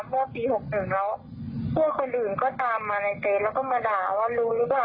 พอปี๖๑แล้วพวกคนอื่นก็ตามมาในเตรียมแล้วก็มาด่าว่ารู้หรือกลัว